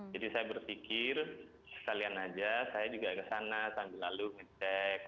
jadi saya berpikir sekalian saja saya juga ke sana sambil lalu ngecek